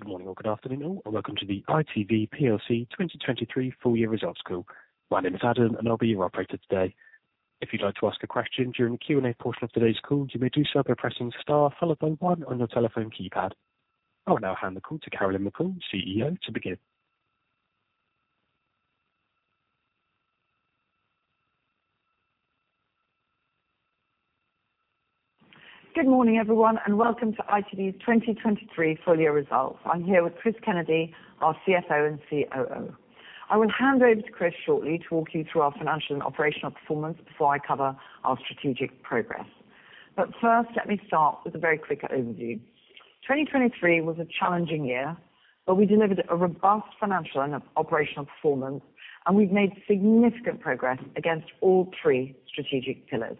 Good morning or good afternoon, all, and welcome to the ITV PLC 2023 full year results call. My name is Adam, and I'll be your operator today. If you'd like to ask a question during the Q&A portion of today's call, you may do so by pressing star followed by one on your telephone keypad. I will now hand the call to Carolyn McCall, CEO, to begin. Good morning, everyone, and welcome to ITV's 2023 full year results. I'm here with Chris Kennedy, our CFO and COO. I will hand over to Chris shortly to walk you through our financial and operational performance before I cover our strategic progress. But first, let me start with a very quick overview. 2023 was a challenging year, but we delivered a robust financial and operational performance, and we've made significant progress against all three strategic pillars.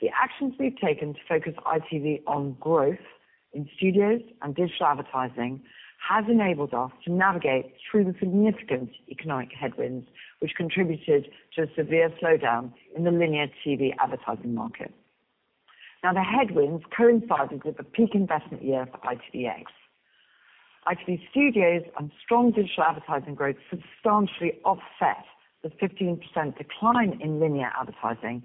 The actions we've taken to focus ITV on growth in studios and digital advertising has enabled us to navigate through the significant economic headwinds, which contributed to a severe slowdown in the linear TV advertising market. Now, the headwinds coincided with a peak investment year for ITVX. ITV Studios and strong digital advertising growth substantially offset the 15% decline in linear advertising,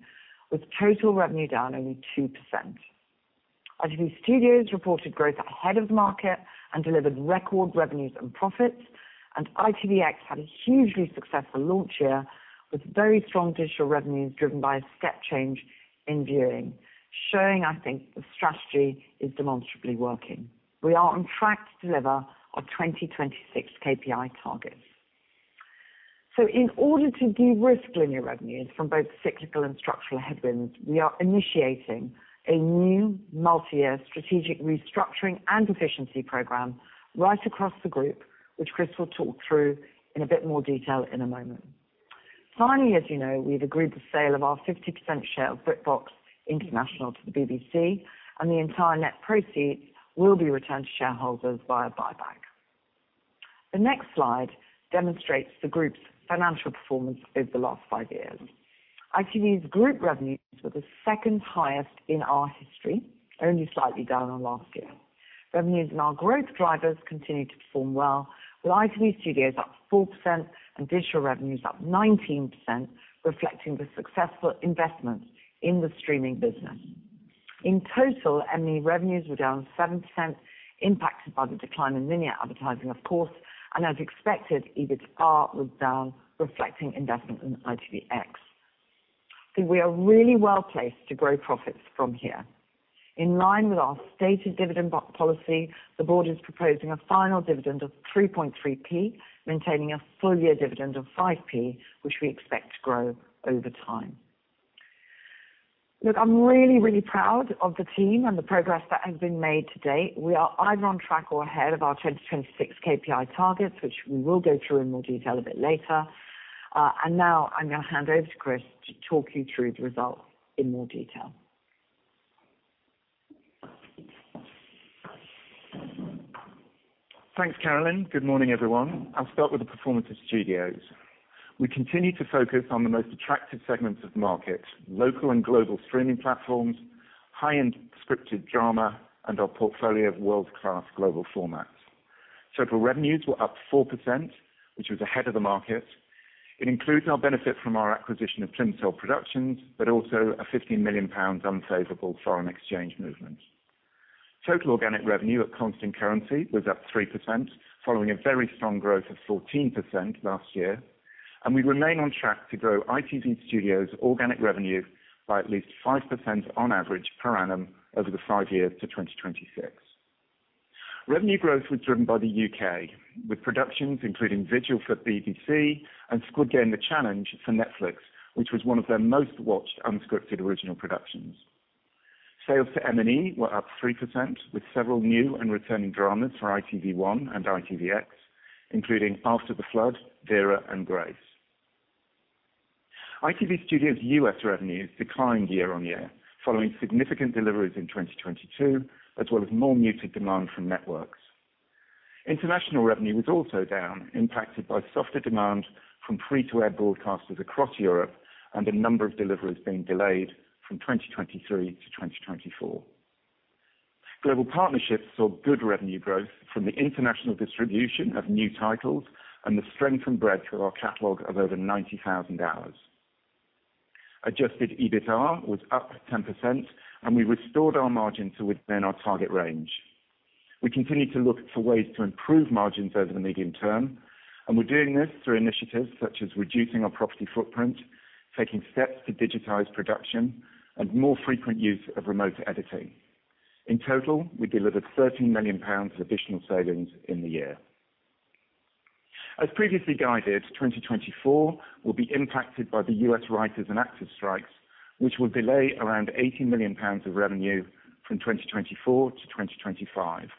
with total revenue down only 2%. ITV Studios reported growth ahead of the market and delivered record revenues and profits, and ITVX had a hugely successful launch year, with very strong digital revenues driven by a step change in viewing, showing, I think, the strategy is demonstrably working. We are on track to deliver our 2026 KPI targets. So in order to de-risk linear revenues from both cyclical and structural headwinds, we are initiating a new multi-year strategic restructuring and efficiency program right across the group, which Chris will talk through in a bit more detail in a moment. Finally, as you know, we've agreed the sale of our 50% share of BritBox International to the BBC, and the entire net proceeds will be returned to shareholders via buyback. The next slide demonstrates the group's financial performance over the last five years. ITV's group revenues were the second highest in our history, only slightly down on last year. Revenues and our growth drivers continued to perform well, with ITV Studios up 4% and digital revenues up 19%, reflecting the successful investments in the streaming business. In total, M&E revenues were down 7%, impacted by the decline in linear advertising, of course, and as expected, EBITA was down, reflecting investment in ITVX. I think we are really well placed to grow profits from here. In line with our stated dividend policy, the board is proposing a final dividend of GBP 3.3p, maintaining a full year dividend of GBP 5p, which we expect to grow over time. Look, I'm really, really proud of the team and the progress that has been made to date. We are either on track or ahead of our 2026 KPI targets, which we will go through in more detail a bit later. Now I'm gonna hand over to Chris to talk you through the results in more detail. Thanks, Carolyn. Good morning, everyone. I'll start with the performance of studios. We continue to focus on the most attractive segments of the market, local and global streaming platforms, high-end scripted drama, and our portfolio of world-class global formats. Total revenues were up 4%, which was ahead of the market. It includes our benefit from our acquisition of Plimsoll Productions, but also a 15 million pounds unfavorable foreign exchange movement. Total organic revenue at constant currency was up 3%, following a very strong growth of 14% last year, and we remain on track to grow ITV Studios' organic revenue by at least 5% on average per annum over the five years to 2026. Revenue growth was driven by the UK, with productions including Vigil for BBC and Squid Game: The Challenge for Netflix, which was one of their most watched unscripted original productions. Sales to M&E were up 3%, with several new and returning dramas for ITV1 and ITVX, including After the Flood, Vera, and Grace. ITV Studios' U.S. revenues declined year-on-year, following significant deliveries in 2022, as well as more muted demand from networks. International revenue was also down, impacted by softer demand from free-to-air broadcasters across Europe and a number of deliveries being delayed from 2023 to 2024. Global partnerships saw good revenue growth from the international distribution of new titles and the strength and breadth of our catalog of over 90,000 hours. Adjusted EBITDA was up 10%, and we restored our margin to within our target range. We continue to look for ways to improve margins over the medium term, and we're doing this through initiatives such as reducing our property footprint, taking steps to digitize production, and more frequent use of remote editing. In total, we delivered 13 million pounds of additional savings in the year. As previously guided, 2024 will be impacted by the U.S. writers and actors strikes, which will delay around 80 million pounds of revenue from 2024 to 2025.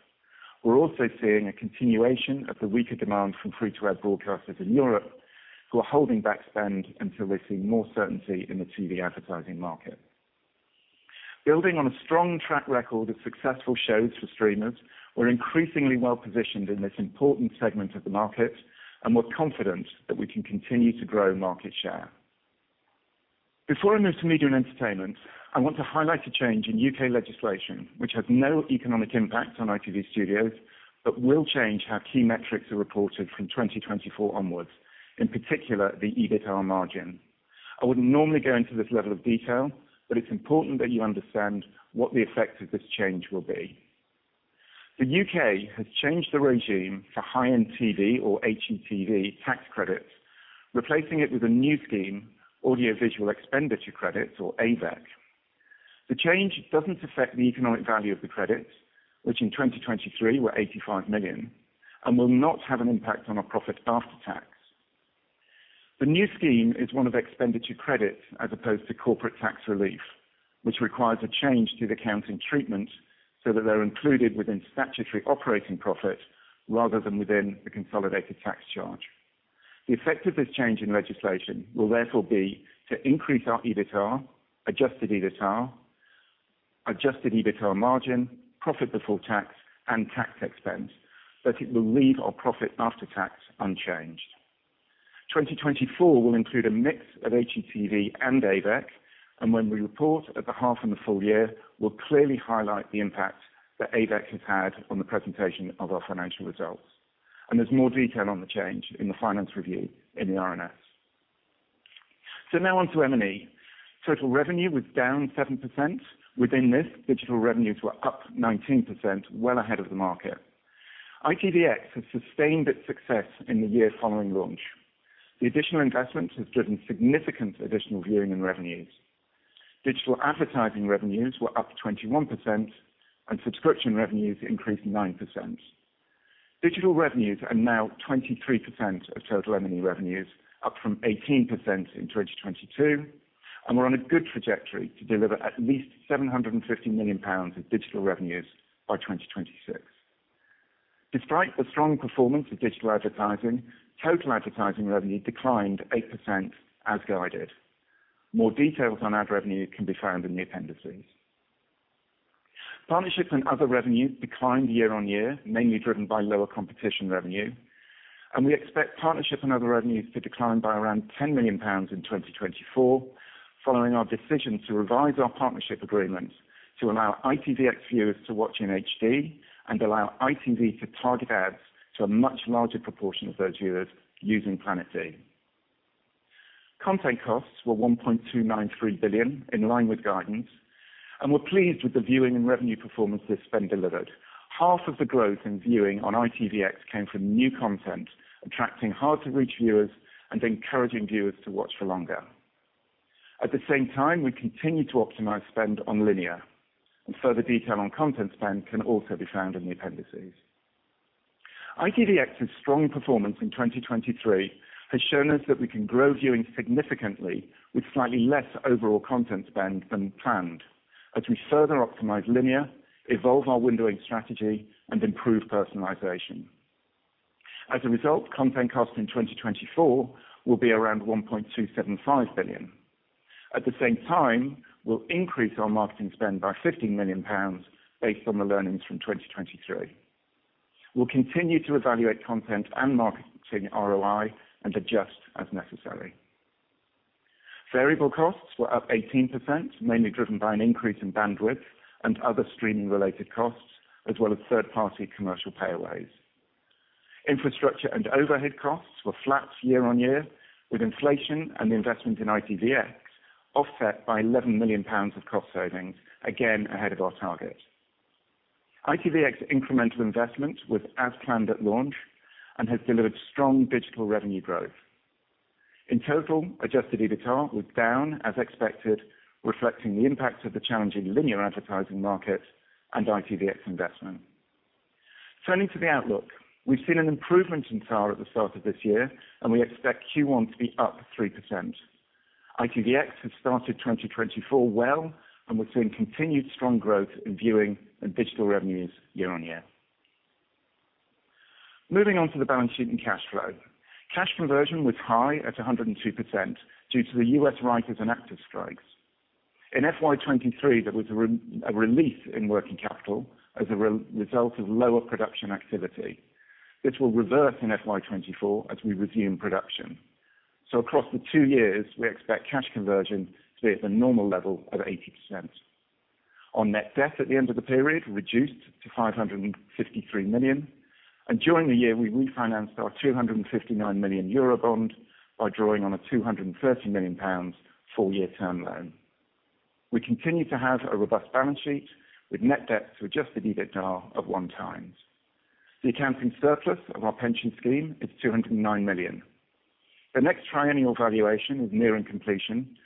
We're also seeing a continuation of the weaker demand from free-to-air broadcasters in Europe, who are holding back spend until we see more certainty in the TV advertising market. Building on a strong track record of successful shows for streamers, we're increasingly well positioned in this important segment of the market, and we're confident that we can continue to grow market share.... Before I move to media and entertainment, I want to highlight a change in UK legislation, which has no economic impact on ITV Studios, but will change how key metrics are reported from 2024 onwards, in particular, the EBITDA margin. I wouldn't normally go into this level of detail, but it's important that you understand what the effect of this change will be. The UK has changed the regime for high-end TV or HETV tax credits, replacing it with a new scheme, audiovisual expenditure credits, or AVEC. The change doesn't affect the economic value of the credits, which in 2023 were 85 million, and will not have an impact on our profit after tax. The new scheme is one of expenditure credits as opposed to corporate tax relief, which requires a change to the accounting treatment so that they're included within statutory operating profit rather than within the consolidated tax charge. The effect of this change in legislation will therefore be to increase our EBITDA, adjusted EBITDA, adjusted EBITDA margin, profit before tax, and tax expense, but it will leave our profit after tax unchanged. 2024 will include a mix of HETV and AVEC, and when we report at the half and the full year, we'll clearly highlight the impact that AVEC has had on the presentation of our financial results. There's more detail on the change in the finance review in the RNS. Now on to M&E. Total revenue was down 7%. Within this, digital revenues were up 19%, well ahead of the market. ITVX has sustained its success in the year following launch. The additional investment has driven significant additional viewing and revenues. Digital advertising revenues were up 21%, and subscription revenues increased 9%. Digital revenues are now 23% of total M&E revenues, up from 18% in 2022, and we're on a good trajectory to deliver at least 750 million pounds of digital revenues by 2026. Despite the strong performance of digital advertising, total advertising revenue declined 8% as guided. More details on ad revenue can be found in the appendices. Partnership and other revenues declined year on year, mainly driven by lower competition revenue, and we expect partnership and other revenues to decline by around 10 million pounds in 2024, following our decision to revise our partnership agreements to allow ITVX viewers to watch in HD and allow ITV to target ads to a much larger proportion of those viewers using Planet V. Content costs were 1.293 billion, in line with guidance, and we're pleased with the viewing and revenue performance this spend delivered. Half of the growth in viewing on ITVX came from new content, attracting hard-to-reach viewers and encouraging viewers to watch for longer. At the same time, we continue to optimize spend on linear, and further detail on content spend can also be found in the appendices. ITVX's strong performance in 2023 has shown us that we can grow viewing significantly with slightly less overall content spend than planned as we further optimize linear, evolve our windowing strategy, and improve personalization. As a result, content cost in 2024 will be around 1.275 billion. At the same time, we'll increase our marketing spend by 50 million pounds based on the learnings from 2023. We'll continue to evaluate content and marketing ROI and adjust as necessary. Variable costs were up 18%, mainly driven by an increase in bandwidth and other streaming-related costs, as well as third-party commercial payaways. Infrastructure and overhead costs were flat year on year, with inflation and investment in ITVX offset by 11 million pounds of cost savings, again, ahead of our target. ITVX incremental investment was as planned at launch and has delivered strong digital revenue growth. In total, adjusted EBITDA was down, as expected, reflecting the impact of the challenging linear advertising market and ITVX investment. Turning to the outlook, we've seen an improvement in TAR at the start of this year, and we expect Q1 to be up 3%. ITVX has started 2024 well, and we're seeing continued strong growth in viewing and digital revenues year-on-year. Moving on to the balance sheet and cash flow. Cash conversion was high at 102% due to the U.S. writers and actors strikes. In FY 2023, there was a relief in working capital as a result of lower production activity. This will reverse in FY 2024 as we resume production. So across the two years, we expect cash conversion to be at the normal level of 80%. Our net debt at the end of the period reduced to 553 million, and during the year, we refinanced our 259 million euro bond by drawing on a 230 million pounds full year term loan. We continue to have a robust balance sheet with net debt to adjusted EBITDA of 1x. The accounting surplus of our pension scheme is 209 million. The next triennial valuation is nearing completion,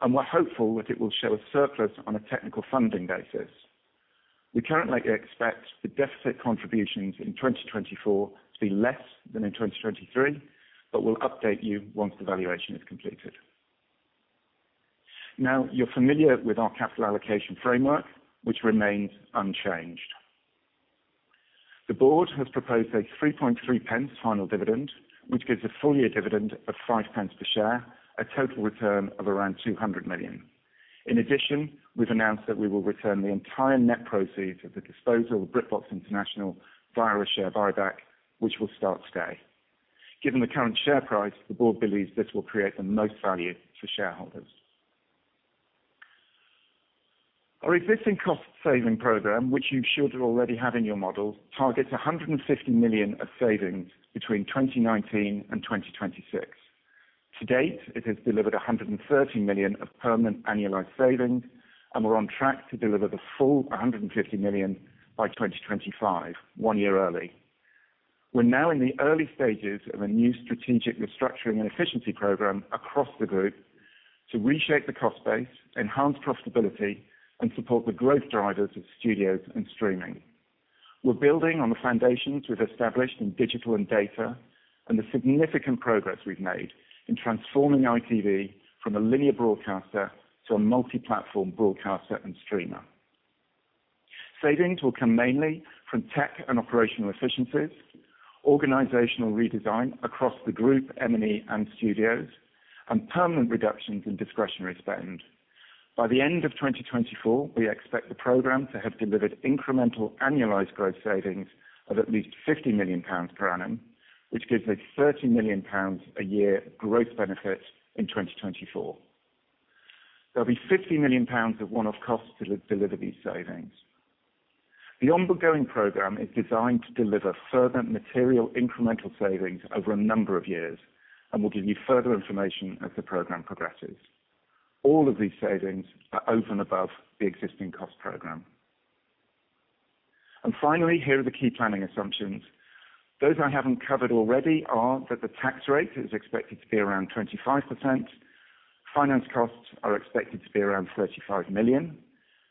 and we're hopeful that it will show a surplus on a technical funding basis. We currently expect the deficit contributions in 2024 to be less than in 2023, but we'll update you once the valuation is completed. Now, you're familiar with our capital allocation framework, which remains unchanged. The board has proposed a 3.3 pence final dividend, which gives a full year dividend of 5 pence per share, a total return of around 200 million. In addition, we've announced that we will return the entire net proceeds of the disposal of BritBox International via a share buyback, which will start today, given the current share price, the board believes this will create the most value for shareholders. Our existing cost saving program, which you should already have in your model, targets 150 million of savings between 2019 and 2026. To date, it has delivered 130 million of permanent annualized savings, and we're on track to deliver the full a 150 million by 2025, one year early. We're now in the early stages of a new strategic restructuring and efficiency program across the group to reshape the cost base, enhance profitability, and support the growth drivers of studios and streaming. We're building on the foundations we've established in digital and data, and the significant progress we've made in transforming ITV from a linear broadcaster to a multi-platform broadcaster and streamer. Savings will come mainly from tech and operational efficiencies, organizational redesign across the group, M&E, and studios, and permanent reductions in discretionary spend. By the end of 2024, we expect the program to have delivered incremental annualized growth savings of at least 50 million pounds per annum, which gives a 30 million pounds a year growth benefit in 2024. There'll be 50 million pounds of one-off costs to deliver these savings. The ongoing program is designed to deliver further material incremental savings over a number of years, and we'll give you further information as the program progresses. All of these savings are over and above the existing cost program. And finally, here are the key planning assumptions. Those I haven't covered already are that the tax rate is expected to be around 25%, finance costs are expected to be around 35 million,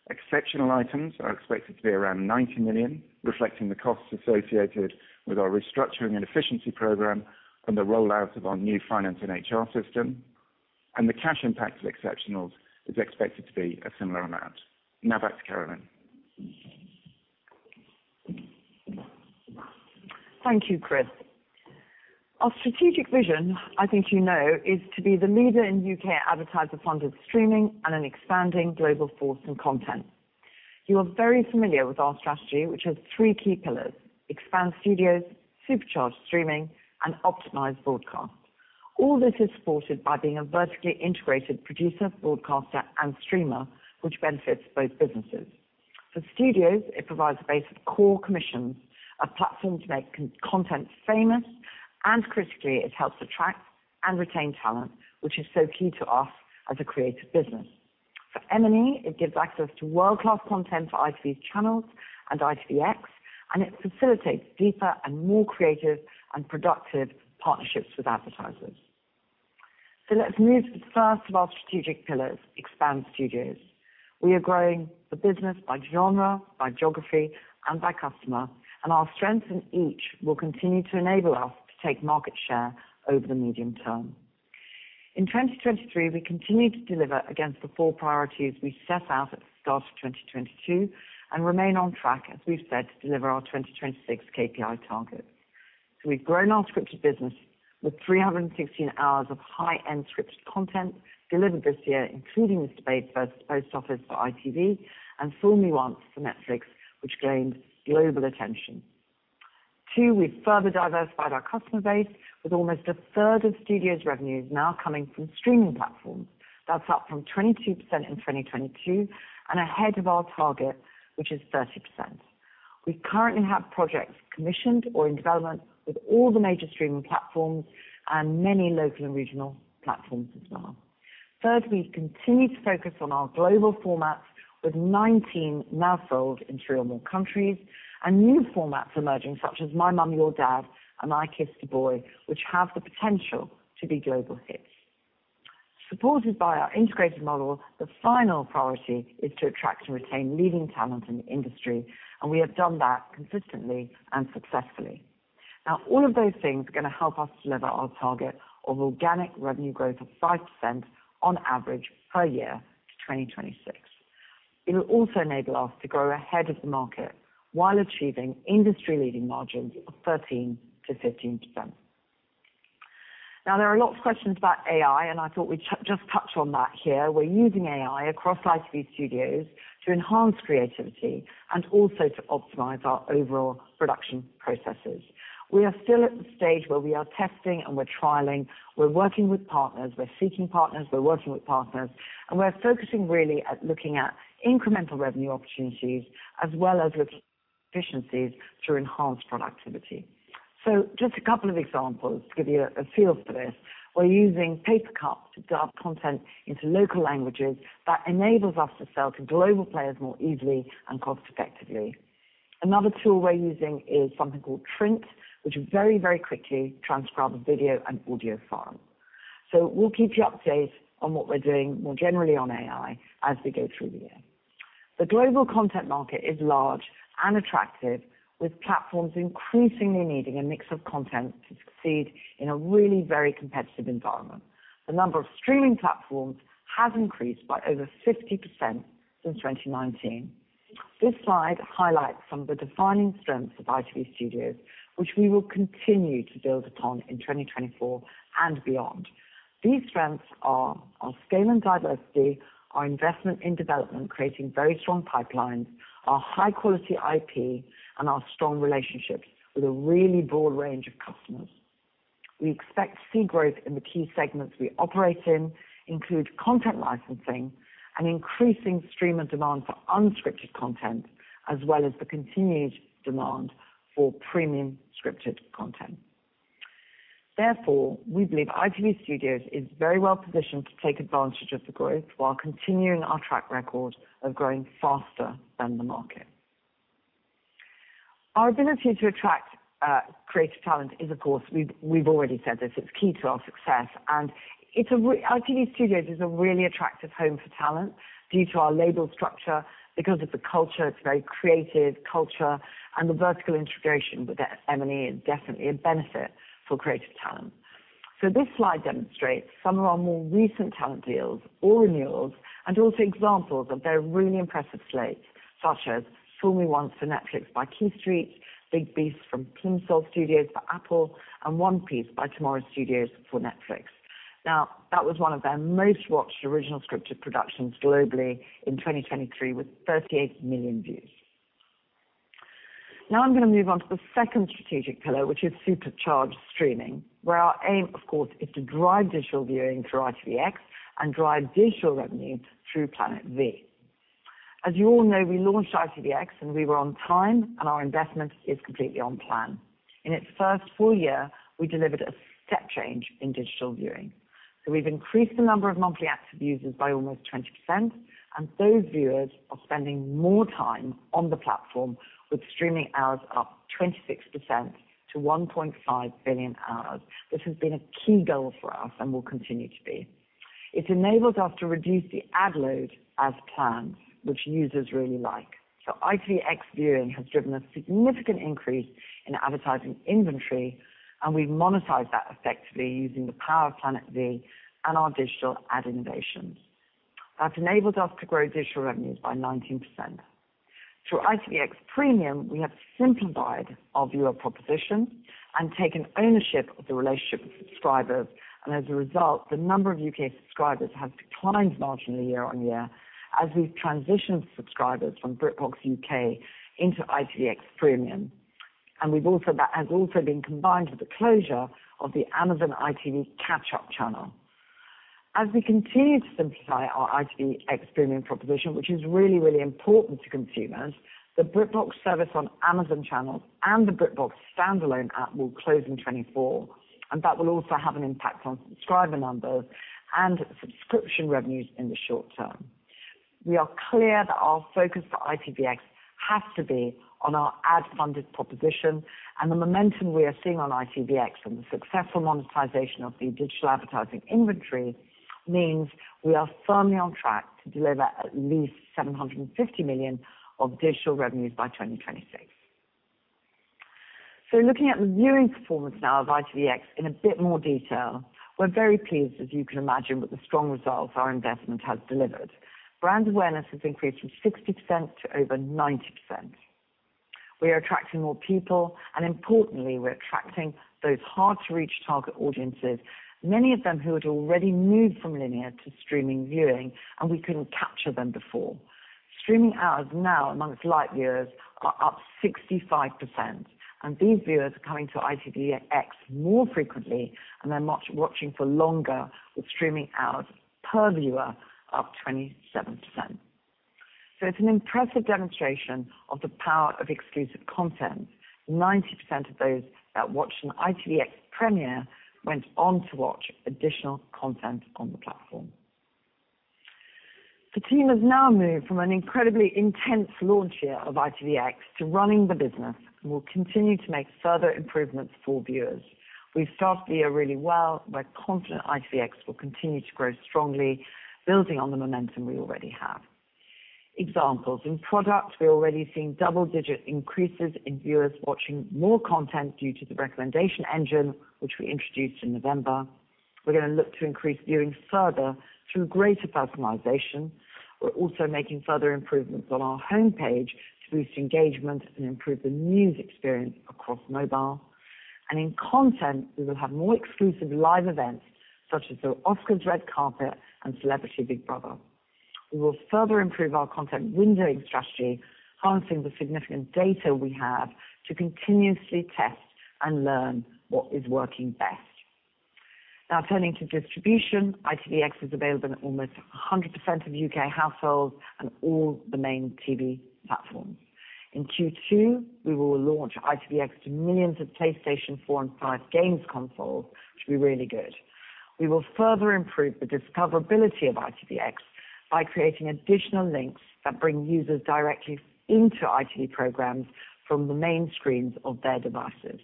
exceptional items are expected to be around 90 million, reflecting the costs associated with our restructuring and efficiency program and the rollout of our new finance and HR system. And the cash impact of exceptionals is expected to be a similar amount. Now back to Carolyn. Thank you, Chris. Our strategic vision, I think you know, is to be the leader in UK advertiser-funded streaming and an expanding global force in content. You are very familiar with our strategy, which has three key pillars: expand studios, supercharge streaming, and optimize broadcast. All this is supported by being a vertically integrated producer, broadcaster, and streamer, which benefits both businesses. For studios, it provides a base of core commissions, a platform to make content famous, and critically, it helps attract and retain talent, which is so key to us as a creative business. For M&E, it gives access to world-class content for ITV's channels and ITVX, and it facilitates deeper and more creative and productive partnerships with advertisers. Let's move to the first of our strategic pillars, expand studios. We are growing the business by genre, by geography, and by customer, and our strength in each will continue to enable us to take market share over the medium term. In 2023, we continued to deliver against the four priorities we set out at the start of 2022, and remain on track, as we've said, to deliver our 2026 KPI targets. So we've grown our scripted business with 316 hours of high-end scripted content delivered this year, including Mr Bates vs The Post Office for ITV, and Fool Me Once for Netflix, which gained global attention. Two, we've further diversified our customer base, with almost a third of studios' revenues now coming from streaming platforms. That's up from 22% in 2022, and ahead of our target, which is 30%. We currently have projects commissioned or in development with all the major streaming platforms and many local and regional platforms as well. Third, we've continued to focus on our global formats, with 19 now sold in three or more countries, and new formats emerging, such as My Mum, Your Dad and I Kissed a Boy, which have the potential to be global hits. Supported by our integrated model, the final priority is to attract and retain leading talent in the industry, and we have done that consistently and successfully. Now, all of those things are gonna help us deliver our target of organic revenue growth of 5% on average per year to 2026. It'll also enable us to grow ahead of the market while achieving industry-leading margins of 13%-15%. Now, there are a lot of questions about AI, and I thought we'd just touch on that here. We're using AI across ITV Studios to enhance creativity and also to optimize our overall production processes. We are still at the stage where we are testing and we're trialing. We're working with partners, we're seeking partners, we're working with partners, and we're focusing really at looking at incremental revenue opportunities as well as looking at efficiencies to enhance productivity. So just a couple of examples to give you a, a feel for this. We're using Papercup to dub content into local languages that enables us to sell to global players more easily and cost effectively. Another tool we're using is something called Trint, which very, very quickly transcribes video and audio file. So we'll keep you updated on what we're doing more generally on AI as we go through the year. The global content market is large and attractive, with platforms increasingly needing a mix of content to succeed in a really very competitive environment. The number of streaming platforms has increased by over 50% since 2019. This slide highlights some of the defining strengths of ITV Studios, which we will continue to build upon in 2024 and beyond. These strengths are our scale and diversity, our investment in development, creating very strong pipelines, our high quality IP, and our strong relationships with a really broad range of customers.... We expect to see growth in the key segments we operate in, include content licensing and increasing stream of demand for unscripted content, as well as the continued demand for premium scripted content. Therefore, we believe ITV Studios is very well positioned to take advantage of the growth, while continuing our track record of growing faster than the market. Our ability to attract creative talent is, of course, key to our success, and ITV Studios is a really attractive home for talent due to our label structure, because of the culture, it's a very creative culture, and the vertical integration with the M&E is definitely a benefit for creative talent. So this slide demonstrates some of our more recent talent deals or renewals, and also examples of their really impressive slates, such as Fool Me Once for Netflix by Quay Street, Big Beasts from Plimsoll Productions for Apple, and One Piece by Tomorrow Studios for Netflix. Now, that was one of their most watched original scripted productions globally in 2023, with 38 million views. Now I'm gonna move on to the second strategic pillar, which is supercharged streaming, where our aim, of course, is to drive digital viewing through ITVX and drive digital revenue through Planet V. As you all know, we launched ITVX, and we were on time, and our investment is completely on plan. In its first full year, we delivered a step change in digital viewing. So we've increased the number of monthly active users by almost 20%, and those viewers are spending more time on the platform, with streaming hours up 26% to 1.5 billion hours. This has been a key goal for us and will continue to be. It's enabled us to reduce the ad load as planned, which users really like. So ITVX viewing has driven a significant increase in advertising inventory, and we've monetized that effectively using the power of Planet V and our digital ad innovations. That's enabled us to grow digital revenues by 19%. Through ITVX Premium, we have simplified our viewer proposition and taken ownership of the relationship with subscribers, and as a result, the number of UK subscribers has declined marginally year-on-year, as we've transitioned subscribers from BritBox UK into ITVX Premium. That has also been combined with the closure of the Amazon ITV catch-up channel. As we continue to simplify our ITVX Premium proposition, which is really, really important to consumers, the BritBox service on Amazon Channels and the BritBox standalone app will close in 2024, and that will also have an impact on subscriber numbers and subscription revenues in the short term. We are clear that our focus for ITVX has to be on our ad-funded proposition, and the momentum we are seeing on ITVX and the successful monetization of the digital advertising inventory means we are firmly on track to deliver at least 750 million of digital revenues by 2026. So looking at the viewing performance now of ITVX in a bit more detail, we're very pleased, as you can imagine, with the strong results our investment has delivered. Brand awareness has increased from 60% to over 90%. We are attracting more people, and importantly, we're attracting those hard-to-reach target audiences, many of them who had already moved from linear to streaming viewing, and we couldn't capture them before. Streaming hours now among light viewers are up 65%, and these viewers are coming to ITVX more frequently, and they're watching for longer, with streaming hours per viewer up 27%. So it's an impressive demonstration of the power of exclusive content. 90% of those that watched an ITVX premiere went on to watch additional content on the platform. The team has now moved from an incredibly intense launch year of ITVX to running the business and will continue to make further improvements for viewers. We've started the year really well. We're confident ITVX will continue to grow strongly, building on the momentum we already have. Examples. In products, we're already seeing double-digit increases in viewers watching more content due to the recommendation engine, which we introduced in November. We're gonna look to increase viewing further through greater personalization. We're also making further improvements on our homepage to boost engagement and improve the news experience across mobile. In content, we will have more exclusive live events, such as the Oscars Red Carpet and Celebrity Big Brother. We will further improve our content windowing strategy, harnessing the significant data we have to continuously test and learn what is working best. Now turning to distribution, ITVX is available in almost 100% of U.K. households and all the main TV platforms. In Q2, we will launch ITVX to millions of PlayStation four and five games consoles, which will be really good. We will further improve the discoverability of ITVX by creating additional links that bring users directly into ITV programs from the main screens of their devices.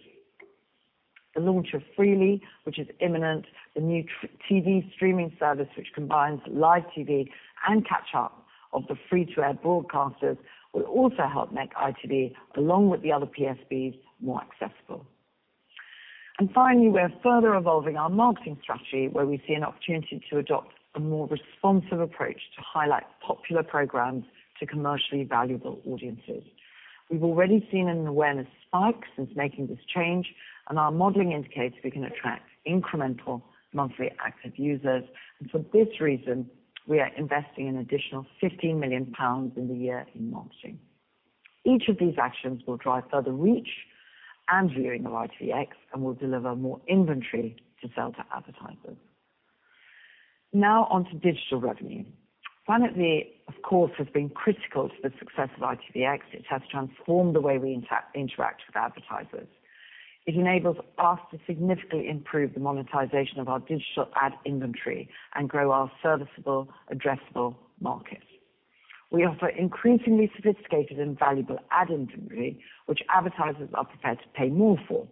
The launch of Freely, which is imminent, the new TV streaming service, which combines live TV and catch-up of the free-to-air broadcasters, will also help make ITV, along with the other PSBs, more accessible. And finally, we are further evolving our marketing strategy, where we see an opportunity to adopt a more responsive approach to highlight popular programs to commercially valuable audiences. We've already seen an awareness spike since making this change, and our modeling indicates we can attract incremental monthly active users, and for this reason, we are investing an additional 50 million pounds in the year in marketing... Each of these actions will drive further reach and viewing of ITVX, and will deliver more inventory to sell to advertisers. Now on to digital revenue. Planet V, of course, has been critical to the success of ITVX. It has transformed the way we interact with advertisers. It enables us to significantly improve the monetization of our digital ad inventory and grow our serviceable addressable market. We offer increasingly sophisticated and valuable ad inventory, which advertisers are prepared to pay more for.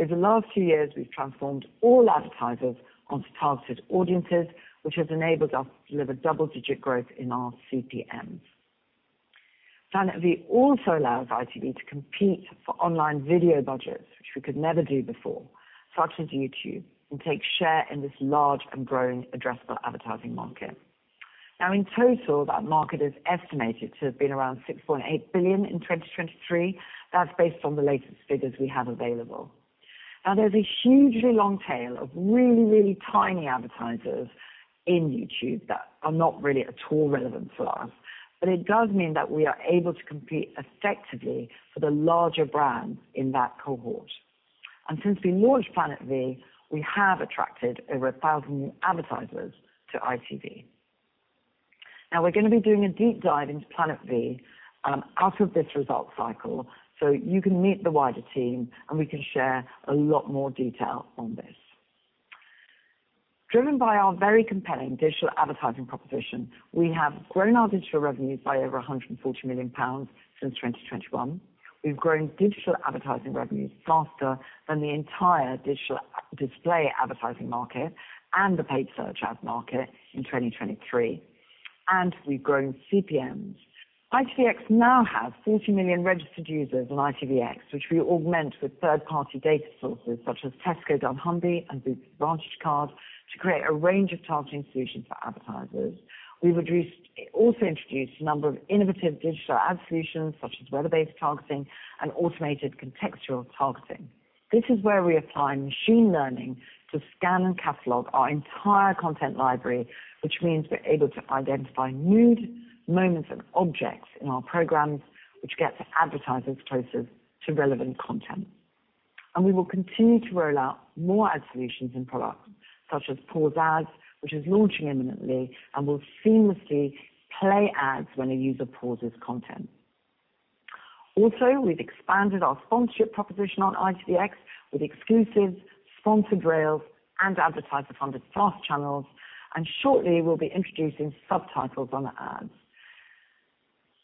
Over the last few years, we've transformed all advertisers onto targeted audiences, which has enabled us to deliver double-digit growth in our CPMs. Planet V also allows ITV to compete for online video budgets, which we could never do before, such as YouTube, and take share in this large and growing addressable advertising market. Now, in total, that market is estimated to have been around 6.8 billion in 2023. That's based on the latest figures we have available. Now, there's a hugely long tail of really, really tiny advertisers in YouTube that are not really at all relevant for us, but it does mean that we are able to compete effectively for the larger brands in that cohort. And since we launched Planet V, we have attracted over 1,000 new advertisers to ITV. Now, we're gonna be doing a deep dive into Planet V out of this results cycle, so you can meet the wider team, and we can share a lot more detail on this. Driven by our very compelling digital advertising proposition, we have grown our digital revenues by over 140 million pounds since 2021. We've grown digital advertising revenues faster than the entire digital display advertising market and the paid search ad market in 2023, and we've grown CPMs. ITVX now has 40 million registered users on ITVX, which we augment with third-party data sources, such as Tesco Dunnhumby and Boots Advantage Card, to create a range of targeting solutions for advertisers. We've also introduced a number of innovative digital ad solutions, such as weather-based targeting and automated contextual targeting. This is where we apply machine learning to scan and catalog our entire content library, which means we're able to identify nude moments and objects in our programs, which gets advertisers closer to relevant content. We will continue to roll out more ad solutions and products, such as Pause Ads, which is launching imminently and will seamlessly play ads when a user pauses content. Also, we've expanded our sponsorship proposition on ITVX with exclusive sponsored rails and advertiser-funded FAST channels, and shortly we'll be introducing subtitles on the ads.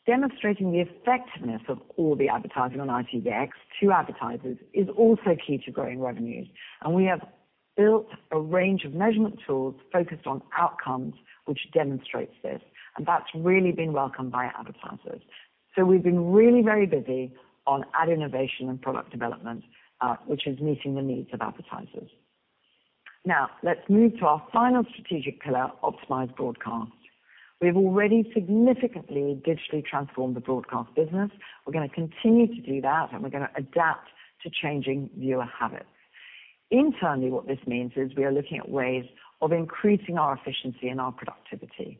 Demonstrating the effectiveness of all the advertising on ITVX to advertisers is also key to growing revenues, and we have built a range of measurement tools focused on outcomes, which demonstrates this, and that's really been welcomed by advertisers. So we've been really very busy on ad innovation and product development, which is meeting the needs of advertisers. Now, let's move to our final strategic pillar: optimized broadcast. We've already significantly digitally transformed the broadcast business. We're gonna continue to do that, and we're gonna adapt to changing viewer habits. Internally, what this means is we are looking at ways of increasing our efficiency and our productivity,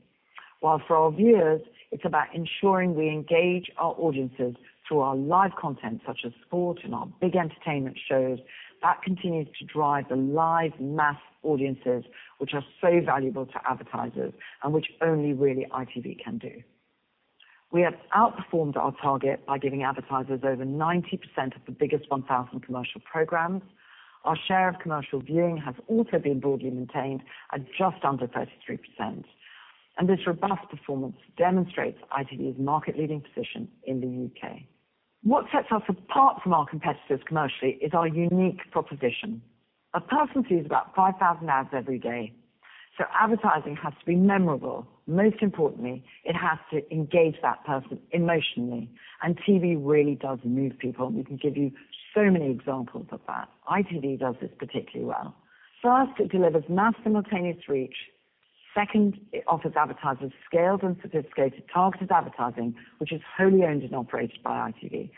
while for our viewers, it's about ensuring we engage our audiences through our live content, such as sport and our big entertainment shows. That continues to drive the live mass audiences, which are so valuable to advertisers and which only really ITV can do. We have outperformed our target by giving advertisers over 90% of the biggest 1,000 commercial programs. Our share of commercial viewing has also been broadly maintained at just under 33%, and this robust performance demonstrates ITV's market-leading position in the UK. What sets us apart from our competitors commercially is our unique proposition. A person sees about 5,000 ads every day, so advertising has to be memorable. Most importantly, it has to engage that person emotionally, and TV really does move people. We can give you so many examples of that. ITV does this particularly well. First, it delivers mass simultaneous reach. Second, it offers advertisers scaled and sophisticated targeted advertising, which is wholly owned and operated by ITV.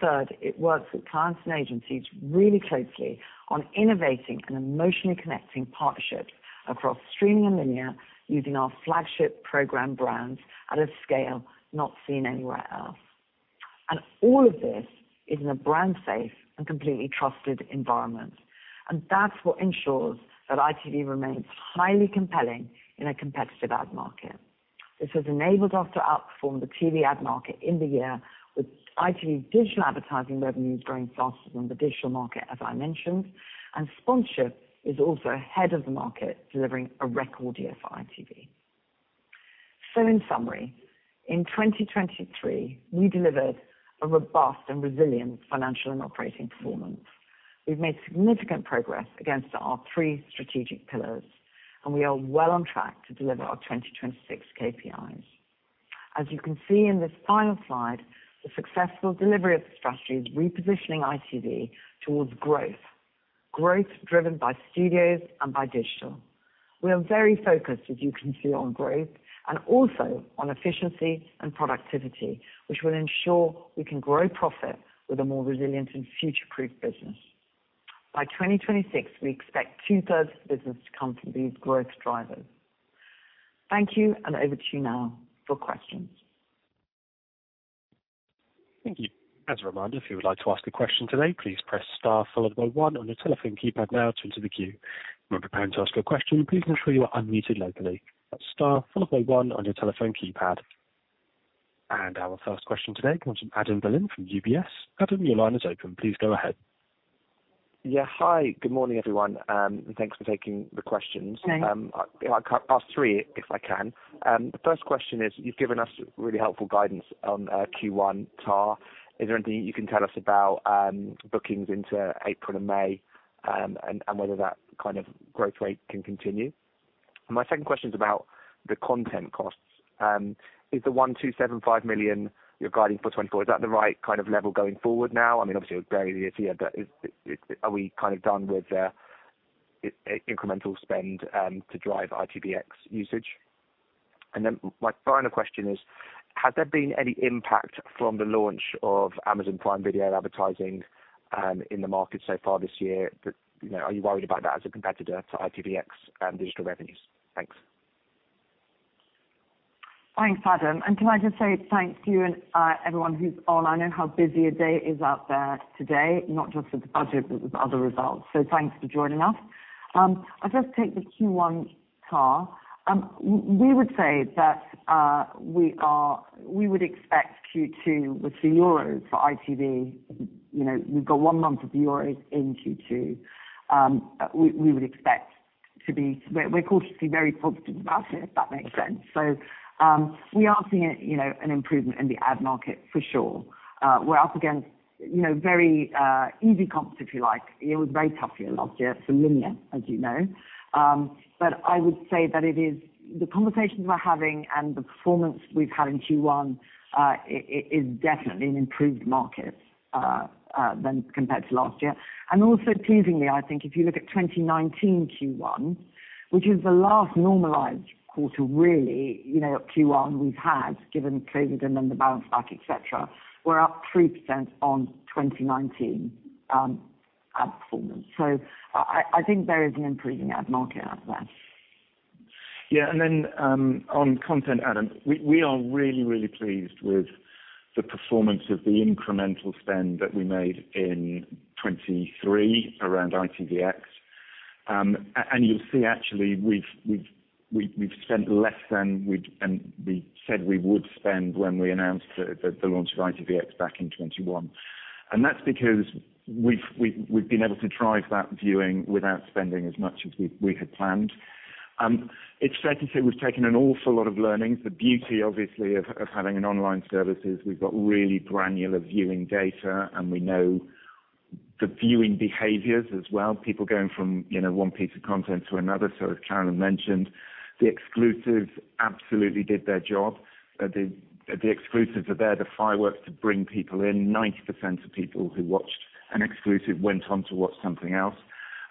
Third, it works with clients and agencies really closely on innovating and emotionally connecting partnerships across streaming and linear, using our flagship program brands at a scale not seen anywhere else. All of this is in a brand-safe and completely trusted environment. That's what ensures that ITV remains highly compelling in a competitive ad market. This has enabled us to outperform the TV ad market in the year, with ITV digital advertising revenues growing faster than the digital market, as I mentioned, and sponsorship is also ahead of the market, delivering a record year for ITV. In summary, in 2023, we delivered a robust and resilient financial and operating performance. We've made significant progress against our three strategic pillars, and we are well on track to deliver our 2026 KPIs. As you can see in this final slide, the successful delivery of the strategy is repositioning ITV towards growth, growth driven by studios and by digital. We are very focused, as you can see, on growth and also on efficiency and productivity, which will ensure we can grow profit with a more resilient and future-proof business. By 2026, we expect two-thirds of the business to come from these growth drivers.... Thank you, and over to you now for questions. Thank you. As a reminder, if you would like to ask a question today, please press star followed by one on your telephone keypad now to enter the queue. When preparing to ask your question, please ensure you are unmuted locally. Star followed by one on your telephone keypad. Our first question today comes from Adam Berlin from UBS. Adam, your line is open. Please go ahead. Yeah. Hi, good morning, everyone, and thanks for taking the questions. Hi. I'd like to ask three, if I can. The first question is, you've given us really helpful guidance on Q1 TAR. Is there anything you can tell us about bookings into April and May, and whether that kind of growth rate can continue? My second question is about the content costs. Is the 127.5 million you're guiding for 2024 the right kind of level going forward now? I mean, obviously, it will vary year to year, but is, are we kind of done with the incremental spend to drive ITVX usage? And then my final question is, has there been any impact from the launch of Amazon Prime Video advertising in the market so far this year? But, you know, are you worried about that as a competitor to ITVX digital revenues? Thanks. Thanks, Adam, and can I just say thanks to you and everyone who's on. I know how busy a day it is out there today, not just with the budget, but with other results. So thanks for joining us. I'll just take the Q1 TAR. We would say that we would expect Q2 with the Euros for ITV. You know, we've got one month of Euros in Q2. We would expect to be... We're cautiously very positive about it, if that makes sense. So, we are seeing a, you know, an improvement in the ad market for sure. We're up against, you know, very easy comps, if you like. It was a very tough year last year for linear, as you know. But I would say that it is the conversations we're having and the performance we've had in Q1 is definitely an improved market than compared to last year. And also pleasingly, I think if you look at 2019 Q1, which is the last normalized quarter, really, you know, Q1 we've had, given COVID and then the bounce back, et cetera, we're up 3% on 2019 ad performance. So I think there is an improving ad market out there. Yeah, and then, on content, Adam, we are really, really pleased with the performance of the incremental spend that we made in 2023 around ITVX. And you'll see, actually, we've spent less than we'd than we said we would spend when we announced the launch of ITVX back in 2021. And that's because we've been able to drive that viewing without spending as much as we had planned. It's fair to say we've taken an awful lot of learnings. The beauty, obviously, of having an online service is we've got really granular viewing data, and we know the viewing behaviors as well, people going from, you know, one piece of content to another. So as Carolyn mentioned, the exclusives absolutely did their job. The exclusives are there, the fireworks to bring people in. 90% of people who watched an exclusive went on to watch something else.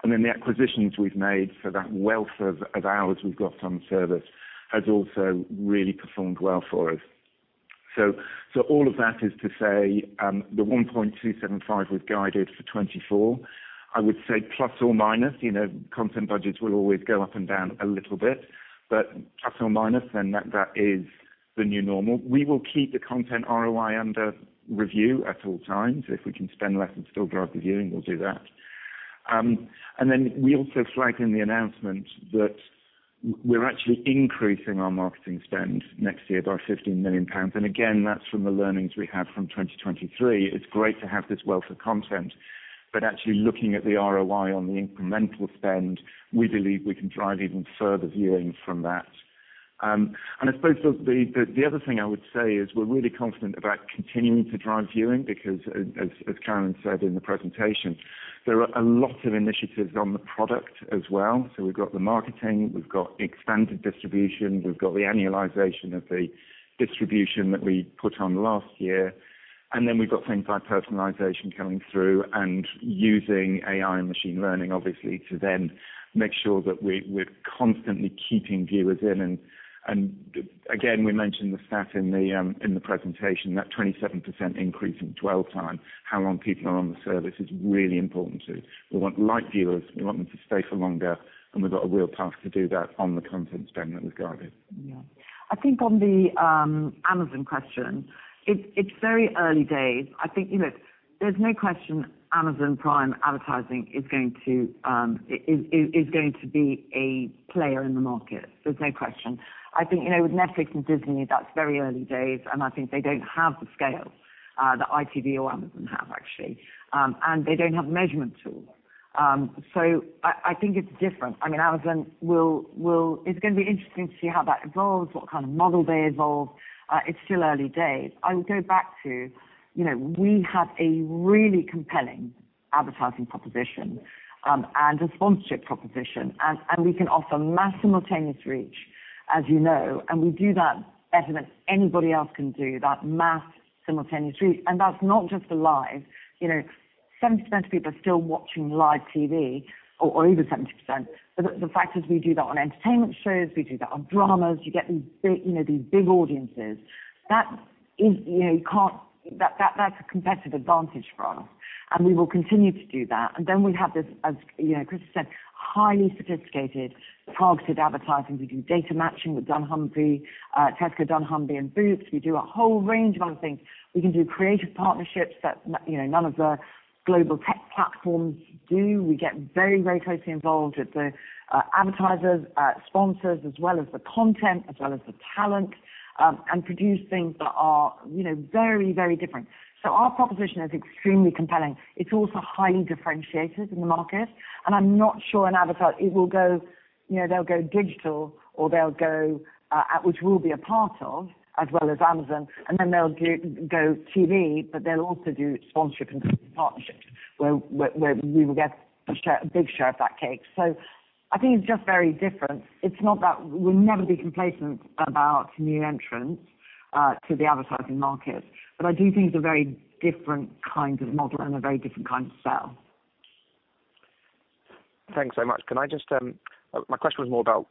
And then the acquisitions we've made, so that wealth of ours we've got on service, has also really performed well for us. So all of that is to say, the 1.275 was guided for 2024. I would say ±, you know, content budgets will always go up and down a little bit, but ±, then that is the new normal. We will keep the content ROI under review at all times. If we can spend less and still drive the viewing, we'll do that. And then we also flagged in the announcement that we're actually increasing our marketing spend next year by 15 million pounds. And again, that's from the learnings we had from 2023. It's great to have this wealth of content, but actually looking at the ROI on the incremental spend, we believe we can drive even further viewing from that. And I suppose the other thing I would say is we're really confident about continuing to drive viewing because as Karen said in the presentation, there are a lot of initiatives on the product as well. So we've got the marketing, we've got expanded distribution, we've got the annualization of the distribution that we put on last year, and then we've got things like personalization coming through and using AI and machine learning, obviously, to then make sure that we're constantly keeping viewers in. And again, we mentioned the stat in the presentation, that 27% increase in dwell time, how long people are on the service, is really important to. We want light viewers, we want them to stay for longer, and we've got a real path to do that on the content spend that was guided. Yeah. I think on the Amazon question, it's very early days. I think, you know, there's no question Amazon Prime advertising is going to be a player in the market. There's no question. I think, you know, with Netflix and Disney, that's very early days, and I think they don't have the scale that ITV or Amazon have actually, and they don't have measurement tools. So I think it's different. I mean, Amazon will... It's going to be interesting to see how that evolves, what kind of model they evolve. It's still early days. I would go back to, you know, we have a really compelling advertising proposition, and a sponsorship proposition, and we can offer mass simultaneous reach-... As you know, and we do that better than anybody else can do, that mass simultaneous reach. And that's not just for live. You know, 70% of people are still watching live TV, or over 70%. But the fact is we do that on entertainment shows, we do that on dramas. You get these big, you know, these big audiences. That is, you know, that's a competitive advantage for us, and we will continue to do that. And then we have this, as you know, Chris has said, highly sophisticated, targeted advertising. We do data matching with Dunnhumby, Tesco, Dunnhumby, and Boots. We do a whole range of other things. We can do creative partnerships that none, you know, none of the global tech platforms do. We get very, very closely involved with the advertisers, sponsors, as well as the content, as well as the talent, and produce things that are, you know, very, very different. So our proposition is extremely compelling. It's also highly differentiated in the market, and I'm not sure an advertiser it will go, you know, they'll go digital, or they'll go, at which we'll be a part of, as well as Amazon, and then they'll do go TV, but they'll also do sponsorship and partnerships, where, where, where we will get a share, a big share of that cake. So I think it's just very different. It's not that we'll never be complacent about new entrants to the advertising market, but I do think it's a very different kind of model and a very different kind of sell. Thanks so much. Can I just? My question was more about,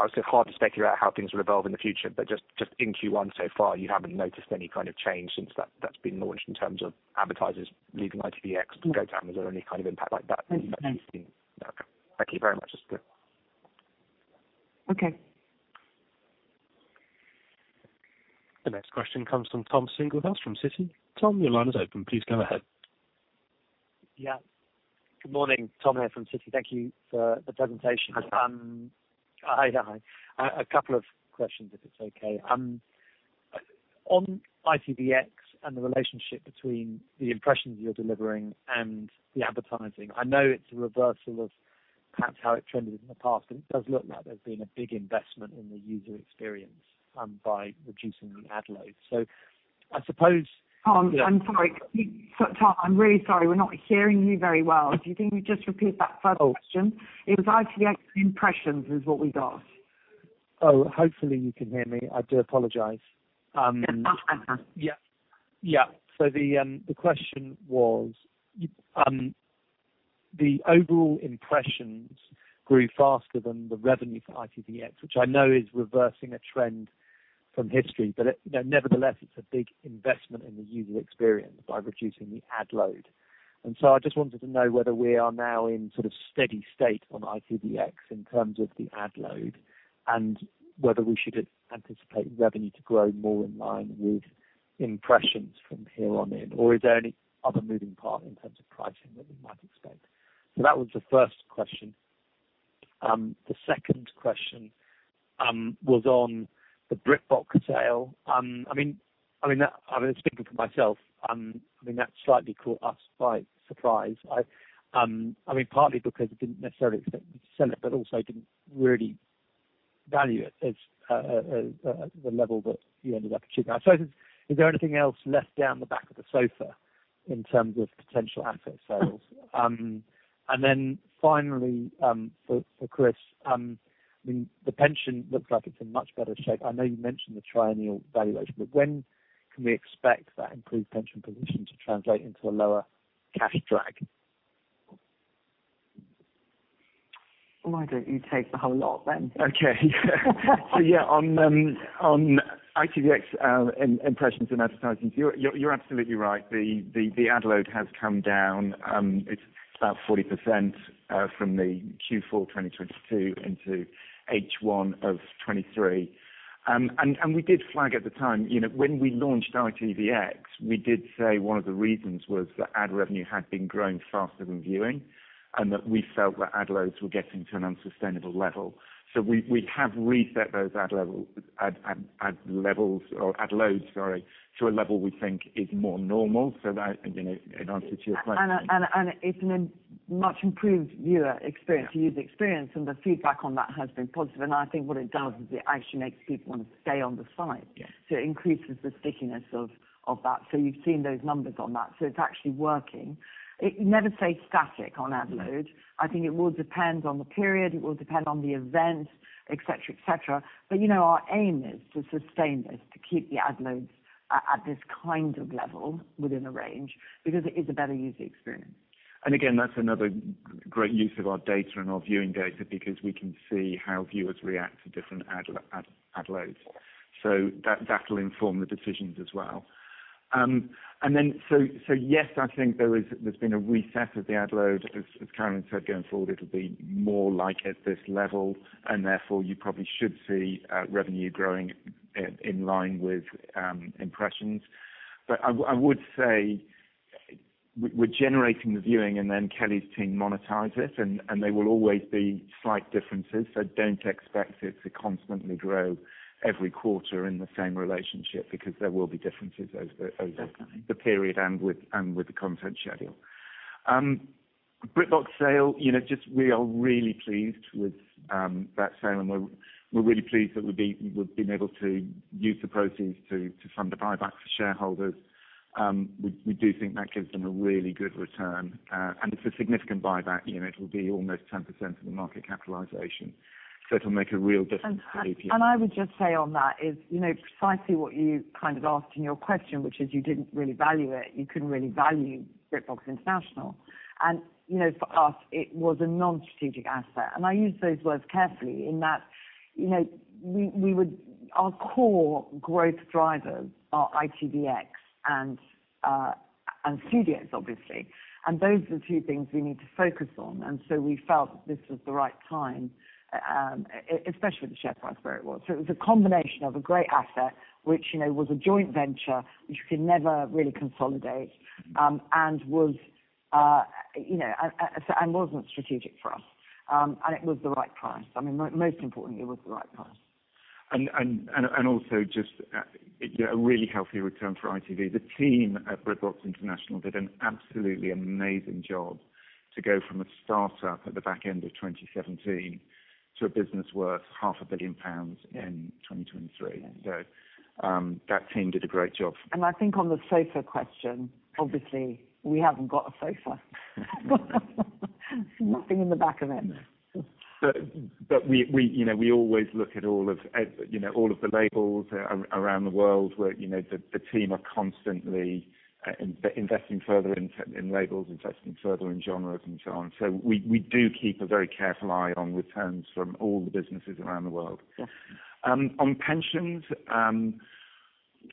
obviously, it's hard to speculate how things will evolve in the future, but just, just in Q1 so far, you haven't noticed any kind of change since that's been launched in terms of advertisers leaving ITVX- No -to go to Amazon or any kind of impact like that? No. Okay. Thank you very much. That's good. Okay. The next question comes from Tom Singlehurst from Citi. Tom, your line is open. Please go ahead. Yeah. Good morning, Tom here from Citi. Thank you for the presentation. Hi, Tom. Hi, hi. A couple of questions, if it's okay. On ITVX and the relationship between the impressions you're delivering and the advertising, I know it's a reversal of perhaps how it trended in the past, and it does look like there's been a big investment in the user experience, by reducing the ad load. So I suppose- Tom, I'm sorry. Can you... Tom, I'm really sorry. We're not hearing you very well. Do you think you can just repeat that first question? Oh. It was ITVX impressions, is what we got. Oh, hopefully you can hear me. I do apologize. Uh, uh, uh. Yeah. Yeah. So the question was, the overall impressions grew faster than the revenue for ITVX, which I know is reversing a trend from history, but it, you know, nevertheless, it's a big investment in the user experience by reducing the ad load. And so I just wanted to know whether we are now in sort of steady state on ITVX in terms of the ad load, and whether we should anticipate revenue to grow more in line with impressions from here on in, or is there any other moving part in terms of pricing that we might expect? So that was the first question. The second question was on the BritBox sale. I mean, I mean, that, I mean, speaking for myself, I mean, that slightly caught us by surprise. I, I mean, partly because we didn't necessarily expect them to sell it, but also didn't really value it as the level that you ended up achieving. I suppose, is there anything else left down the back of the sofa in terms of potential asset sales? And then finally, for Chris, I mean, the pension looks like it's in much better shape. I know you mentioned the triennial valuation, but when can we expect that improved pension position to translate into a lower cash drag? Why don't you take the whole lot then? Okay. So yeah, on ITVX, and impressions and advertising, you're absolutely right. The ad load has come down. It's about 40%, from the Q4 2022 into H1 of 2023. And we did flag at the time, you know, when we launched ITVX, we did say one of the reasons was that ad revenue had been growing faster than viewing, and that we felt that ad loads were getting to an unsustainable level. So we have reset those ad levels, or ad loads, sorry, to a level we think is more normal. So that, you know, in answer to your question- And it's a much improved viewer experience. Yeah... user experience, and the feedback on that has been positive. I think what it does is it actually makes people want to stay on the site. Yeah. So it increases the stickiness of that. So you've seen those numbers on that, so it's actually working. It never stays static on ad load. Mm. I think it will depend on the period, it will depend on the event, et cetera, et cetera. But you know, our aim is to sustain this, to keep the ad loads at, at this kind of level within a range, because it is a better user experience. And again, that's another great use of our data and our viewing data, because we can see how viewers react to different ad loads. So that, that'll inform the decisions as well. And then, so yes, I think there's been a reset of the ad load. As Carolyn said, going forward, it'll be more like at this level, and therefore, you probably should see revenue growing in line with impressions. But I would say we're generating the viewing, and then Kelly's team monetize it, and there will always be slight differences. So don't expect it to constantly grow every quarter in the same relationship, because there will be differences over, Definitely... the period and with, and with the content schedule. BritBox sale, you know, just we are really pleased with that sale, and we're, we're really pleased that we've been, we've been able to use the proceeds to, to fund the buyback for shareholders. We, we do think that gives them a really good return, and it's a significant buyback. You know, it will be almost 10% of the market capitalization, so it'll make a real difference to ITV. I would just say on that is, you know, precisely what you kind of asked in your question, which is you didn't really value it. You couldn't really value BritBox International. You know, for us, it was a non-strategic asset. I use those words carefully in that, you know, we would. Our core growth drivers are ITVX and studios, obviously, and those are the two things we need to focus on. So we felt that this was the right time, especially with the share price where it was. So it was a combination of a great asset, which, you know, was a joint venture, which we could never really consolidate, and was, you know, and wasn't strategic for us. And it was the right price. I mean, most importantly, it was the right price. Also, just, you know, a really healthy return for ITV. The team at BritBox International did an absolutely amazing job to go from a start-up at the back end of 2017 to a business worth 500 million pounds in 2023. Yeah. That team did a great job. I think on the SOFA question, obviously, we haven't got a SOFA. Nothing in the back of it. But we, you know, we always look at all of, you know, all of the labels around the world, where, you know, the team are constantly investing further in teams, in labels, investing further in genres and so on. So we do keep a very careful eye on returns from all the businesses around the world. Yeah. On pensions,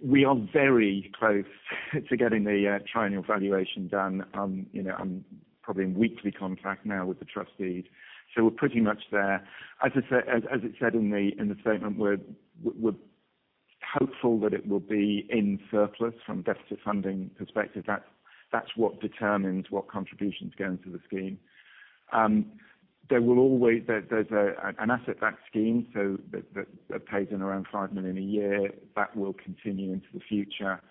we are very close to getting the triennial valuation done. You know, I'm probably in weekly contact now with the trustees, so we're pretty much there. As I said, as it said in the statement, we're hopeful that it will be in surplus from a deficit funding perspective. That's what determines what contributions go into the scheme. There will always be an asset-backed scheme, so that pays in around 5 million a year. That will continue into the future.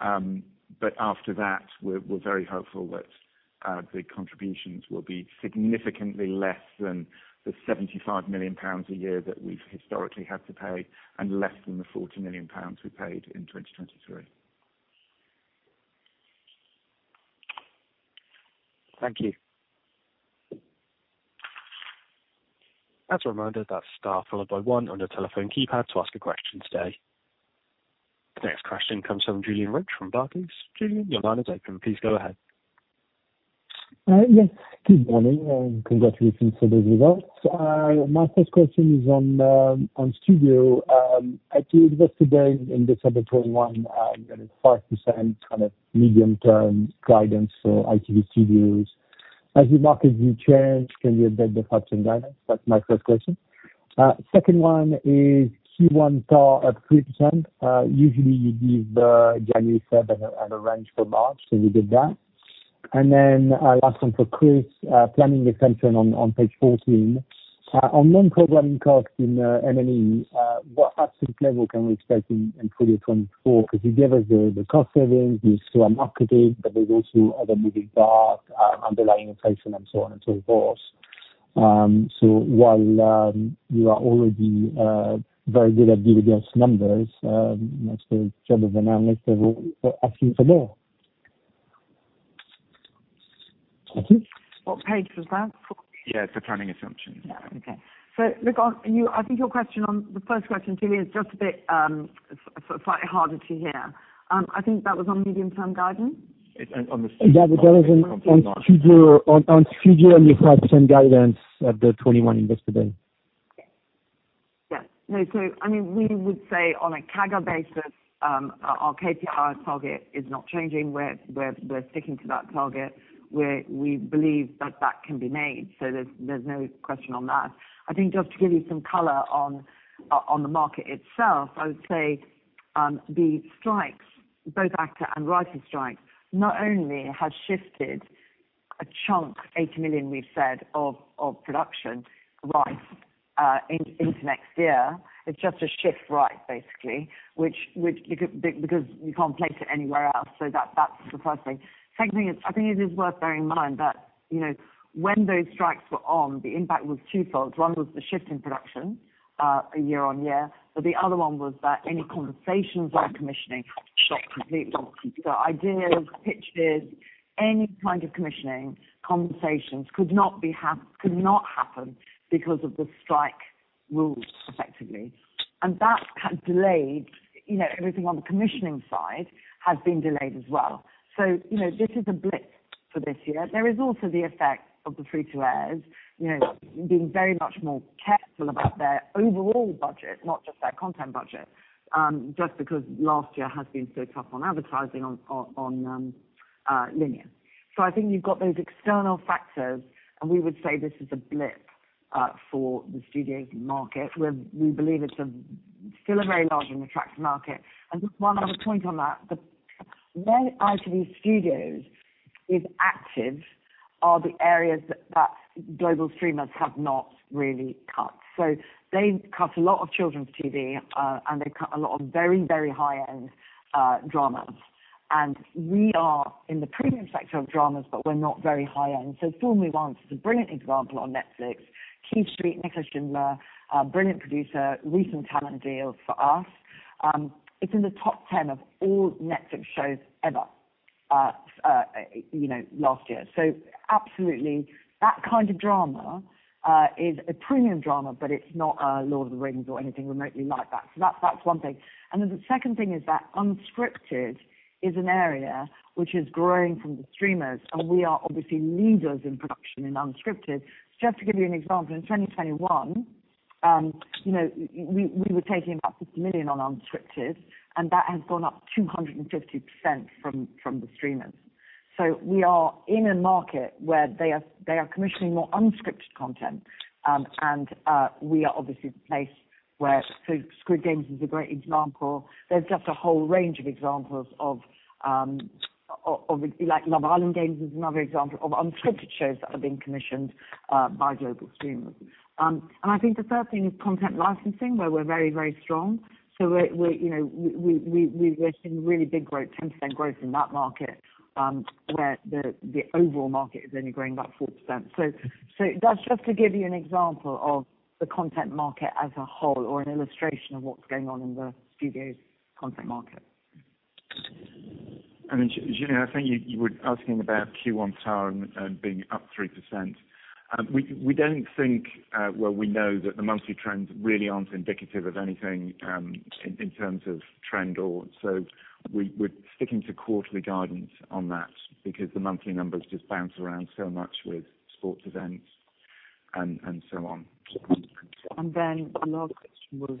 But after that, we're very hopeful that the contributions will be significantly less than the 75 million pounds a year that we've historically had to pay and less than the 40 million pounds we paid in 2023. Thank you. As a reminder, that's star followed by one on your telephone keypad to ask a question today. The next question comes from Julien Roch from Barclays. Julien, your line is open. Please go ahead. Yes, good morning, and congratulations on those results. My first question is on studio. ITV invested in December of 2021, you know, 5% kind of medium-term guidance for ITV Studios. As the market view changed, can you update the short-term guidance? That's my first question. Second one is Q1 TAR up 3%. Usually you give the January, February and a range for March, so you did that. Then, last one for Chris. Planning assumption on page 14. On non-programming costs in M&E, what absolute level can we expect in 2024? Because you gave us the cost savings. You saw a market date, but there's also other moving parts, underlying inflation and so on and so forth. So while you are already very good at giving us numbers, that's the job of an analyst. They're asking for more. Thank you. What page was that? Yeah, it's the planning assumption. Yeah. Okay. So look, on you-- I think your question on, the first question to me is just a bit, slightly harder to hear. I think that was on medium-term guidance? It's on the- That was on Studios and the 5% guidance at the 2021 investor day. Yeah. No, so I mean, we would say on a CAGR basis, our KPI target is not changing. We're sticking to that target, where we believe that that can be made, so there's no question on that. I think just to give you some color on the market itself, I would say, the strikes, both actor and writer strikes, not only have shifted a chunk, 80 million, we've said, of production right, into next year. It's just a shift right, basically, which, because you can't place it anywhere else, so that's the first thing. Second thing is, I think it is worth bearing in mind that, you know, when those strikes were on, the impact was twofold. One was the shift in production year on year, but the other one was that any conversations or commissioning stopped completely. So ideas, pitches, any kind of commissioning conversations could not happen because of the strike rules, effectively. And that kind of delayed, you know, everything on the commissioning side had been delayed as well. So, you know, this is a blip for this year. There is also the effect of the free-to-airs, you know, being very much more careful about their overall budget, not just their content budget, just because last year has been so tough on advertising on linear. So I think you've got those external factors, and we would say this is a blip for the studio market, where we believe it's still a very large and attractive market. Just one other point on that, the way ITV Studios is active are the areas that global streamers have not really cut. So they cut a lot of children's TV, and they've cut a lot of very, very high-end dramas. We are in the premium sector of dramas, but we're not very high-end. So Fool Me Once is a brilliant example on Netflix, Quay Street, Nicola Shindler, brilliant producer, recent talent deal for us. It's in the top 10 of all Netflix shows ever, you know, last year. So absolutely, that kind of drama is a premium drama, but it's not Lord of the Rings or anything remotely like that. So that's one thing. And then the second thing is that unscripted is an area which is growing from the streamers, and we are obviously leaders in production in unscripted. Just to give you an example, in 2021, you know, we were taking about 50 million on unscripted, and that has gone up 250% from the streamers. So we are in a market where they are commissioning more unscripted content. And we are obviously the place where... So Squid Game is a great example. There's just a whole range of examples of like, Love Island Games is another example of unscripted shows that are being commissioned by global streamers. And I think the third thing is content licensing, where we're very, very strong. So we're, you know, seeing really big growth, 10% growth in that market, where the overall market is only growing about 4%. So that's just to give you an example of the content market as a whole, or an illustration of what's going on in the studio's content market. Julien, I think you were asking about Q1 TAR and being up 3%. We don't think, well, we know that the monthly trends really aren't indicative of anything, in terms of trend or so. We're sticking to quarterly guidance on that, because the monthly numbers just bounce around so much with sports events and so on. And then the last question, what was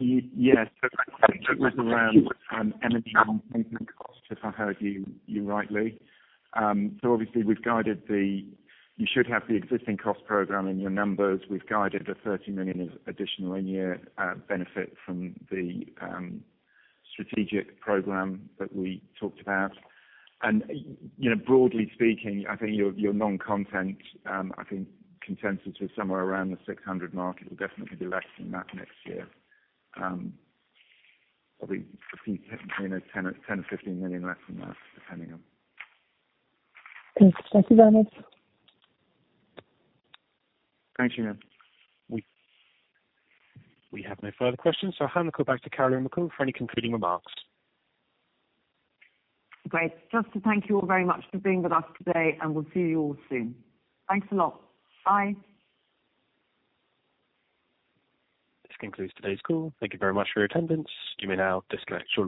it? Yeah, so that was around energy and maintenance costs, if I heard you rightly. So obviously we've guided the... You should have the existing cost program in your numbers. We've guided the 30 million of additional in-year benefit from the strategic program that we talked about. And, you know, broadly speaking, I think your, your non-content, I think consensus is somewhere around the 600 mark. It will definitely be less than that next year. I think, you know, ten or, 10-15 million less than that, depending on. Thank you. Thank you very much. Thanks, Jeanne. We have no further questions, so I'll hand back to Carolyn McCall for any concluding remarks. Great. Just to thank you all very much for being with us today, and we'll see you all soon. Thanks a lot. Bye. This concludes today's call. Thank you very much for your attendance. You may now disconnect shortly.